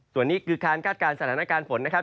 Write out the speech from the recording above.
ส่วนนี้คือการคาดการณ์สถานการณ์ฝนนะครับ